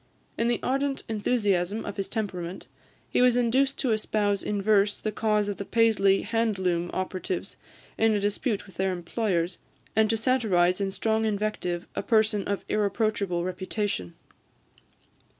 In the ardent enthusiasm of his temperament, he was induced to espouse in verse the cause of the Paisley hand loom operatives in a dispute with their employers, and to satirise in strong invective a person of irreproachable reputation.